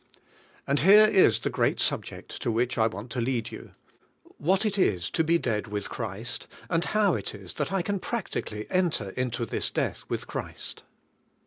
And here is the great subject to which I want to lead you. — What it is to be dead with Christ, and how it is that I can practically enter into this death with Christ.